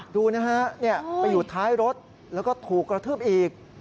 ดูนะฮะไปอยู่ท้ายรถแล้วก็ถูกกระทืบอีก